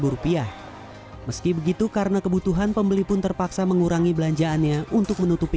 rupiah meski begitu karena kebutuhan pembeli pun terpaksa mengurangi belanjaannya untuk menutupi